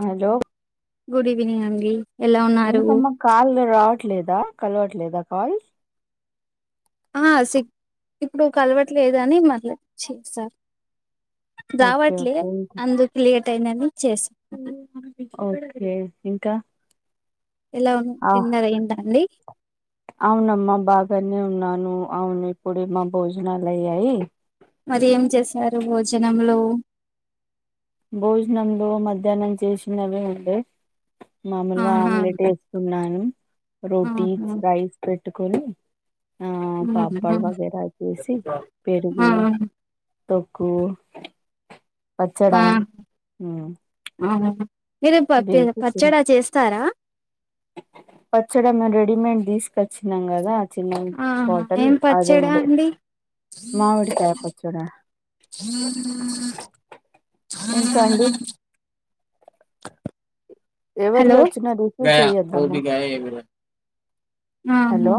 Hello good evening అండి ఎలా ఉన్నారు ఎందుకమ్మా కాల్ రావట్లేదా కలవట్లేదా కాల్ ఆ సి ఇప్పుడు కలవట్లేదు అని మట్ల చేస్తారు ఓకే దవట్లే ఓకే అందు కిళగ టైన్ అని ఓకే ఇంకా ఎలా ఉ ఆ డిన్నర్ అయిందా అండి అవునమ్మా బాగాని న ఉన్నాను అవును ఇప్పుడే మా భోజనాలు అయ్యాయి మరి ఏం చేశారు భోజనంలో భోజనంలో మధ్యాహ్నం చేసినవి ఉండే మామూలుగా ఆహా ఆమ్లెట్ వేస్తున్నాను రోటీ ఆహా రైస్ పెట్టుకొని ఆ పాపడు వగరా చేసి ఆ పెరుగు తక్కు ఆ పచ్చడా ఆ అవును. మీరు ప వేసి తిన్- పచ్చడా చేస్తారా పచ్చడి మేము రెడీమేడ్ తీసుకొచ్చినాం కదా చిన్న ఆహా బాటల్ ఏం అది పచ్చడా ఉంది అండి మామిడి కాయ పచ్చడ హ ఇంక అండి ఎవరియి హలో వచ్చినా రిసీవ్ చెయ్యొద్దమ్మా ఆహా హలో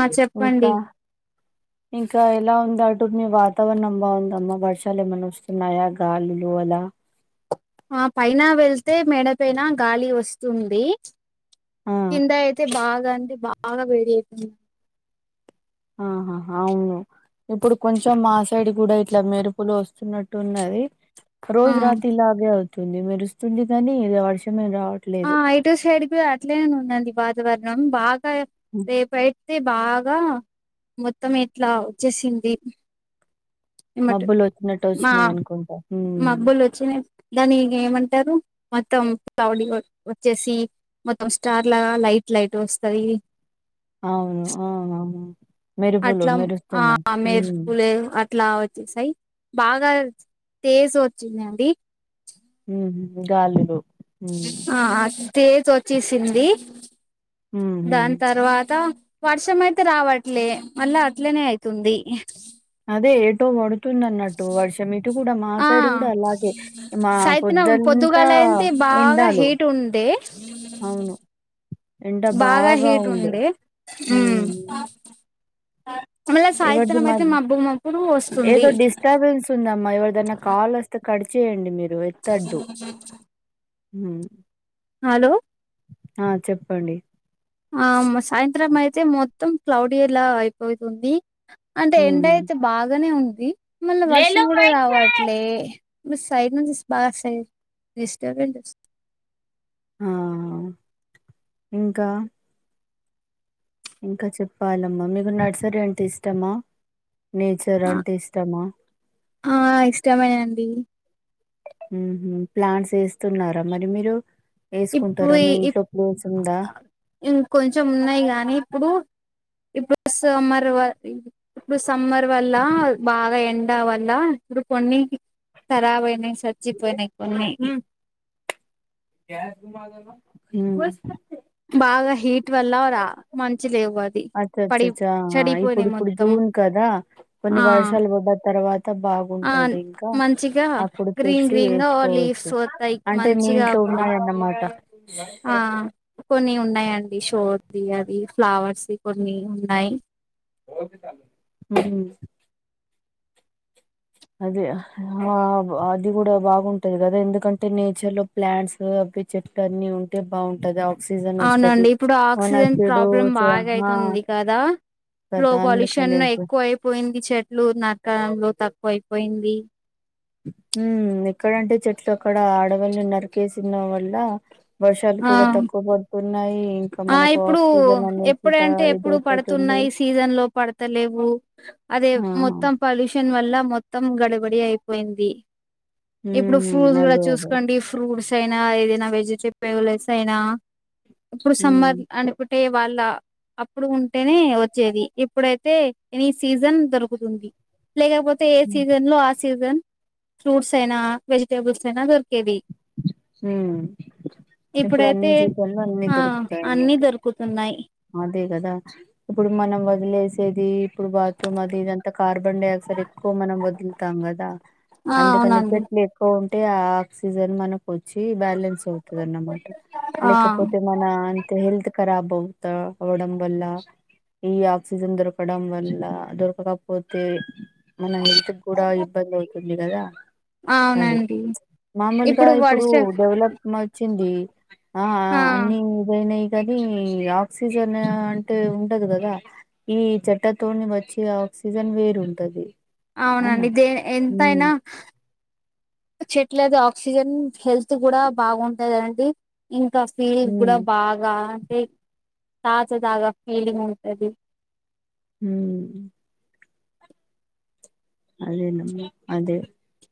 ఆ ఇంకా చెప్పండి [inaudible] ఇంకా ఎలా ఉంది అటు మీ వాతావరణం బాగుందమ్మా వర్షాలు ఏమన్నా వస్తున్నాయా గాలులు అల [inaudible] ఆ పైన వెళ్తే మెడ పైన గాలి వస్తుంది ఆ కింద అయితే బాగ అంటే బాగ వేడి అయితుంది ఆహా హా అవును ఇప్పుడు కొంచెం మా సైడ్ కూడ ఇట్ల మెరుపులు వస్తున్నట్టున్నది ఆ రోజు రాతి ఇలాగే అవుతుంది మెరుస్తుంది కానీ ఇద వర్షం ఎ రా ఆ ఇటు సైడ్ కు అట్ల ఉన్నది వాతావరణం బాగ హ్మ్. రేపు అయితే బాగ మొత్తం ఇట్ల వచ్చేసింది మటు మబ్బులు వచ్చినట్టు మా వచ్చినాయి అనుకుంటా ఉమ్ మబ్బులు వొచ్చినాయి దాని ఏమంటరు మొత్తం తౌడి వచ్చేసి మొత్తం స్టార్ లాగ లైట్ లైట్ గ వస్తది అవును ఆ అ అట్లా ఆ ఉమ్ మేరుపులే అట్ ఇట్లా వచ్చేసాయి బాగ తేజ్ వచ్చిందండి హ్మ్ గాలీలు ఆ తేజ ఓచ్చేసింది ఉహు దాన్ తర్వాత వర్షం అయితే రావట్లే మళ్ళ అట్లనే అయితుంది అదే ఏటో పడు తుంది అన్నట్టు వర్షం ఇటు కూడ మా ఆ సైడ్ కూడా అలాగే మా పొద్దంతా బాగ ఎండాలు హీట్ ఉండే అవును ఎండ బాగ బాగా హీట్ ఉండే హ్మ్ ఉమ్ ఎవరిది మా వస్తుంది ఏదో డిస్టర్బెన్స్ ఉందమ్మా ఎవరిదైన కాల్ వస్తే కట్ చేయండి మీరు జ హ్మ్ హలో ఆ చెప్పండి ఆ అమ్మ సాయంత్రం అయితే మొత్తం క్లౌడీలా అయిపోతుంది అంటే ఎండ ఉమ్ అయితే బాగనే ఉంది మళ్ళీ వర్షం కూడా రావట్లే మీ సైడ్ నుంచి స్ బగ సైడ్ డిస్టరెంట్స్ ఆ ఇంకా ఇంకా చెప్పాలమ్మా మీకు నర్సరీ అంటె ఇష్టమా నేచర్ అంటే ఇష్టమ ఆ ఇష్టమేనండి ఉహ్మ్ ప్లాన్స్ వేస్తున్నార మరి మీరు ఏసుకుంటారా ఇప్పుడు మీ ఇంట్లో ప్లేస్ ఉందా ఇంకొంచెం ఉన్నాయి గాని ఇప్పుడు ఇప్పుడు సమ్మర్ వా ఇప్పుడు సమ్మర్ వల్ల బాగా ఎం డ వల్ల ఇప్పుడు కొన్ని కరాబ్ అయ్నై చచ్చిపోయినాయ్ కున్ని రూమ్ మాదనా బాగా హీట్ ఇట్వల్ల రా మంచి లేవు అది పడి అచ్చచ్చచ్చా ఇప్పుడు చేడిపోయినై ఇప్పుడు మొత్తం జూన్ కదా కొన్ని ఆ వర్షాలు పడ్డ తర్వాత అంత ఆ బాగుంటది ఇంకా మంచిగా అప్పుడు గ్రీన్ తెచ్చి గ్రీన్ గా వేసుకోవచ్చు లీవ్స్ వస్తాయి అంటే మంచిగా మీంట్లో అప్పుడు ఉన్నాయనమాట ఆ కొన్ని ఉన్నాయండి షోర్ది అది ఫ్లవర్స్ కొన్ని ఉనై హ్మ్ అది అది కూడా బాగుంటది కదా ఎందుకంటే నేచర్లో ప్లాంట్స్ చెట్ల అన్ని ఉంటే బొంటది ఆ అవునండి ఇప్పుడు ఆక్సిజన్ ప్రాబ్లం చ బాగా హా అయితుంది కదా ప్రో కదా పొల్యూషన్ అందుకనేసి ఎక్కువ అయిపోయింది చెట్లు నరకడంలో తక్కు వైపోయింది ఉ ఎక్కడంటే చెట్లు అక్కడ అడవుల్ని నరికేసిన వల్ల వర్షాలు ఆ కూడా తక్కువ పడుతున్నాయి ఇంకా ఆ మనకు ఇప్పుడు ఆక్సిజన్ అనేసి త ఎప్పుడంటే ఎప్పుడు ఇదైపోతుంది పడుతున్నాయి సీజన్ లో పడతలేవు అదే ఆ, మొత్తం పొల్యూషన్ వల్ల మొత్తం గడబడి అయిపోయింది ఇప్పుడు ఉమ్ ఫ్రూట్స్ కూడా అదే అదే చూసుకోండి ఫ్రూట్స్ అదైనా ఎదైనా వెజిటేబుల్స్ అయినా ఇప్పుడు ఉమ్ సమ్మర్ అంటే అంటే వాళ్ళ అప్పుడు ఉంటేనే వచ్చేది ఇప్పుడైతే ఎనీ సీజన్ దొరుకుతుంది లేకపోతే ఏ సీజన్లో ఆ సీజన్ ఫ్రూట్స్ అయినా వెజిటేబుల్స్ అయినా దొర్కేది హ్మ్ ఇప్పుడు ఇప్పుడైతే అన్ని సీజన్లో అన్ని ఆ అన్ని దొరుకుతాయిన్నట్టు దొరుకుతున్నాయి అదే కదా ఇప్పుడు మనం వదిలేసేది ఇప్పుడు బాత్రూమ్ అది ఇదంతా కార్బన్ డైఆక్సైడ్ ఎక్కువ మనం వదులుతాం కదా ఆ అందుకని అవునండి చెట్లు ఎక్కువ ఉంటే ఆ ఆక్సిజన్ మనకొచ్చి బ్యాలెన్స్ అవుతదనమాట ఆ లేకపోతే మన అ హెల్త్ కారాబావుతా అవ్వడంవాళ్ళ ఈ ఆక్సిజన్ దొరకడం వల్ల దొరకకపోతే మన హె తుకూడా ఇబ్బంది అవుతుంది కదా అది అవునండి మామూలుగా ఇప్పుడు డెవలప్ వచ్చింది ఆ అన్ని ఏదైనా కానీ ఆక్సిజన్ అంటే ఉండదు కదా ఈ చెట్టాతోని వచ్చి సీజన్ వేరుంటాది అవునండి దే ఎంతయినా చెట్లేది ఆక్సిజన్ హెల్త్ కూడా బాగుంటుందండి ఇ క ఫీల్ కూడా ఉమ్ బాగా అంటే తాజాదాగా ఫీలింగ్ ఉంటది ఉమ్మ్ అదేనమ్మ అదే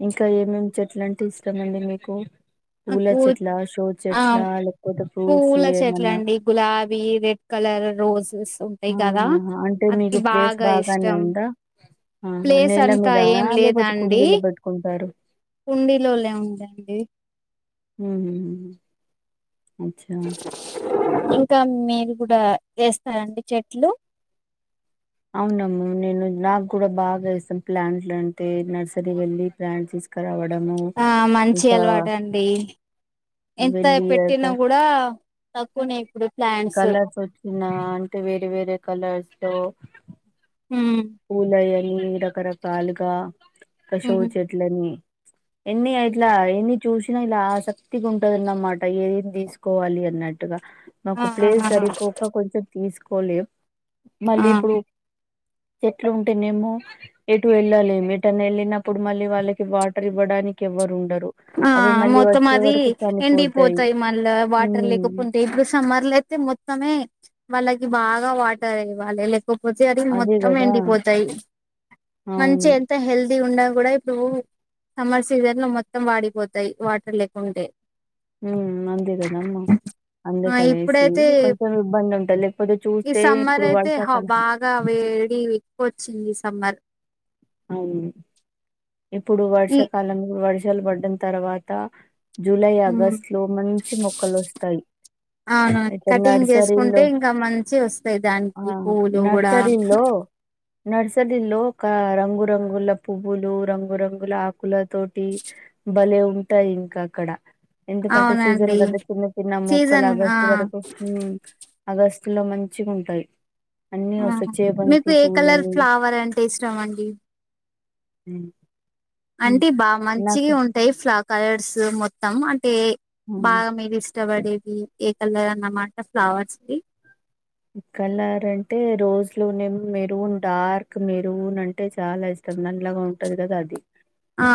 ఇంకా ఏమేమి చెట్ల అంటే ఇష్టమండి మీకు పూల నకు చెట్ల షో ఆ చెట్ల లేకపోతే ఫ్రూట్స్ పూల ఏమన్నా చెట్లండి గులాబీ రెడ్ క కలర్ రోజెస్ ఉంటాయి కదా ఆహాహా అంటే అది మీకు ప్లేస్ బాగా బాగానే ఇష్టం ఉందా ఆహా ప్లేస్ నేల అంతా మీద ఏం లేకపోతే లేదండి కుండీలో పెట్టుకుంటారు కుండీలోలే ఉందండి ఉమ్మ్ అచ్చా ఇంకా మీరు కూడా వేస్తారండి చెట్లు అవునమ్మ నేను నాకు కూడా బాగా ఇస్తాం ప్లాంట్లు అంటే నర్సరీ వెళ్ళి ప్లాంట్స్ తీసు ఆ మంచి అలవాట అండి ఎంత వెళ్ళి పెట్టినా కూడా తక్కువనేయి ఇప్పుడు ప్లాంట్స్ చిన అంటే వేరే వేరే కలర్స్ లో ఉమ్ పలయని రకరకాలుగా పశవు ఉమ్ చెట్లని ఎన్ని ఇట్లా ఎన్ని చూసినా ఇలా ఆసక్తికి ఉంటదన్నన్నమాట ఏదిమి తీసుకోవాలి అన్నట్టుగా ఆ నాకు ప్లేస్ సరిపోక కొంచెం తీసుకోలే ఆ మళ్ళీ ఇప్పుడు చెట్లు ఉంటేనేమో ఎటు వెళ్ళలేము ఎటని వెళ్ళినప్పుడు మళ్ళీ వాళ్ళకి వాటర్ ఇవ్వడానికి ఎవ్వరు ఉ ఆ మొత్తం అది చనిపోతాయి ఎండిపోతాయి. మళ్ళా వాటర్ ఉమ్ లేకపోతే ఇప్పుడు సమ్మర్ అతే మొత్తమే వాళ్ళకి బాగా వాటర్ ఇవ్వాలి లేతే పోతే అది అదే మొత్తం కదా ఎండిపోతాయి మంచి అవును ఎంత హెల్త్ ఇది ఉడా కూడా ఇప్పుడు సమ్మర్ సీజన్ లో మొత్తం వాడిపోతాయి వాటర్ లేకుంటే హ నందద నమ్ ఆ అందకనేసి ఇప్పుడైతే కొంచెం ఇబ్బంది ఉంటంది. లేకపోతే చూస్తే ఇప్పుడు వర్సాకలా ఏడి ఎక్కుచ్చింది సమ్మర్ అవును ఇప్పుడు ఈ వర్షాకాలంలో వర్షాలు పడ్డ తర్వాత జూలై మ్ ఆగస్టు లో మంచి మొక్కలు వస్తాయి అవును అయితే కటింగ్ చేసుకుంటే నర్సరిల్ల్లో ఇంకా మంచి వస్తాయి ఆ దానికి పూలు కూడా నర్సరిల్ నర్సరి లోక రంగ రంగురంగుల పువ్వులు రంగురంగుల ఆకుల తోటి భలే ఉంటాయి ఇంకా అక్కడ ఎందుకంటే సీజన్ అవునండి కదా చిన్న చిన్న మొక్కలు సీజన్ ఆ ఆగస్టు వరకు ఆగస్టు లో మంచిగా ఉంటాయి అన్నీ ఆ వస చేే మీకు బంతి ఏ కలర్ పూలని ఫ్లవర్ అంటే ఇష్టం అండి హ అంటే బాగా మంచిగా ఉంటాయి ఫ్లా కలర్స్ మొత్తం అ అే హ్మ్. బాగా మీరు ఇష్టపడేవి ఏ కలర్ అన్నమాంట ఫ్లవర్స్ కలర్ అంటే రోజులునేం మెరూన్ డార్క్ మెరూన్ అంటే చాలా ఇష్టం నల్లగా ఉంటది కద అది ఆ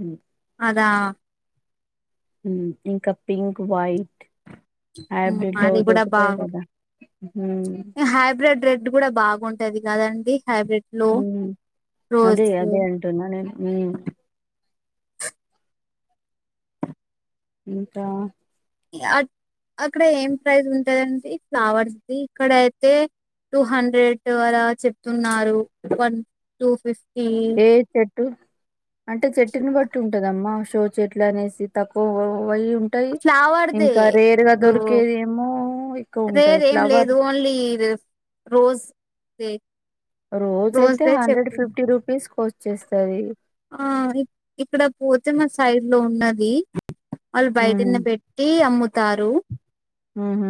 హ్మ్ అదా ఇంకా పింక్ వైట్ హైబ్రిడ్ లో అది కూడా దొరుకుతాయి బాగుంది కదా హ్మ్ హైబ్రిడ్ రేట్ ఇడ్డు కూడా బాగుంటది కదండి హైబ్రిడ్ లో హూ రోజ్ అదే అదే ఉంటు నే ఇంకా అక్కడ ఏం ప్రైస్ ఉంటందిడి ఫ్లవర్స్ది ఇక్కడ అయితే టూ హండ్రెడ్ అలా చెప్తున్నారున్ టూ ఫిఫ్టీ ఏ చెట్టు అంటే చెట్టుని బట్టి ఉంటదమ్మా చెట్ల అనేసి తక్కువ అయి ఉంటాయి ఫ్లవర్దే ఇంకా రేరుగా దొరికేది ఏమో రే రేం లేదు ఓన్లీ రోజ్ రోజ్ రోజయితే దే హండ్రెడ్ చెప్పు ఫిఫ్టీ రూపీస్ కు వచ్చేస్తుది ఆ ఇక్కడ పోతిమ సైడ్ లో ఉన్నది వాళ్ళు హ్మ్. బయటిని పెట్టి అమ్ముతారు హ హ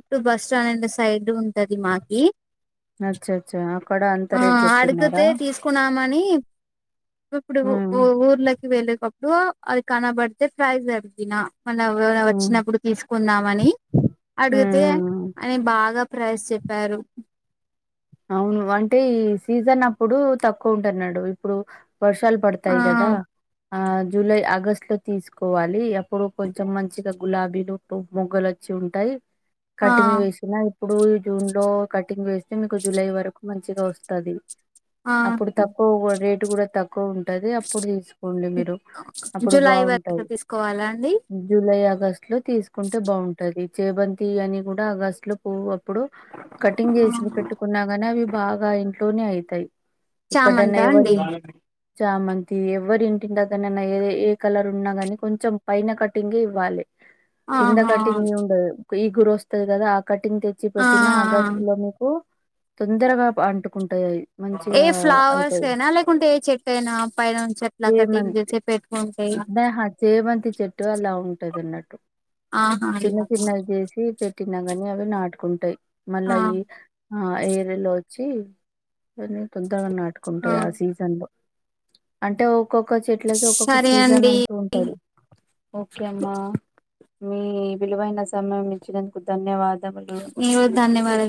ఇటు బస్ సైడ్ ఉంట అ ఇక్కడ ఎటువంటి పదాలను ఉపయోగించలేదు ఆడియోలో అచ్చచ్చా! మాత్రం పదాలు అక్కడ అంత ఉపయోగించి రేట్ ఉన్నాయి ఉంటది చెప్తున్నారా? మాకి ఆ అడిగితే తీసుకుంటది మని ఇప్పుడు హ్మ్. ఊర్లకి వెళ్ళేకప్పుడు అది కనబడితే ఫ్రైస్ ఆడిగిన మనం ఎ హ్మ్. వచ్చినప్పుడు తీసుకుందామని హ్మ్. అడిగితే హ్మ్. అని బాగా పయ చెప్పారు అవును అంటే ఈ సీజన్ అప్పుడు తక్కువ ఉంటున్నాడు ఇప్పుడు వర్షాలు ఆ పడతాయి కదా ఆ జూలై ఆగస్ట్ లో తీసుకోవాలి. అప్పుడు కొంచెం మంచిగా గులాబీలు మొగ్గలు వచ్చి ఉంటాయి ఆ కటింగ్ వేసిన ఇప్పుడు జూన్ లో కటింగ్ వేస్తే జులై వరకు మంచిగా వస్తుంది ఆ అప్పుడు తక్కువ రేట్ కూడా తక్కువ ఎక్కువ ఉంటది అప్పుడు తీసుకోండి మీరు అప్పుడు జులై వరకు బాగుంటది తీసుకోవాలా అండి జూలై ఆగస్టు లో తీసుకుంటే బాగుంటది చేబంతి అని కూడా గస్ట్ లో పో అప్పుడు కటింగ్ చేసిన పెట్టుకున్నా నీ అవి బాగా ఇంట్లోనే అవుతాయి ఇక్కడనే చామంతా ఎవరి అండి చామ ఇది ఎవరి ఇంటింటి దకనైనా ఏ ఏ కలర్ ఉన్నా కానీ కొంచెం పైన కటింగే ఇవ్వాలి కింద ఆహా కటింగ్ ఉండ ఈ గుర వస్తుంది కదా ఆ కటింగ్ తెచ్చి ఆ పెట్టినా ఆగస్టు లో మీకు తొందరగా అంటుకుంటాయివి మంచిగా ఏ ఫ్లవర్స్ అవుతాయి కైనా లేకుంటే ఏ చెట్టు అయినా పైనుంచి అట్లా కటింగ్ చేసి పెట్టుకుంటే చేమంతిహా చేమంతి చెట్టు అలా ఉంటుంది న్నట్టు ఆహా చిన్న అలాగా చిన్నవి చేసి పెట్టినా కానీ అవి నాటుకుంటాయి మళ్ళా ఆ ఈ ఆ ఏరిలో వచ్చి నాటుకుంటాయి ఆ సీజన్ లో అంటే ఒక్కొక్క చెట్లకి ఒక్కొక్క సరే సీజన్ అండి అంటూ ఉంటాడు ఓకే అమ్మా మీ విలువైన సమయం ఇచ్చినందుకు ధన్యవాద నవు ధన్యవాదంగా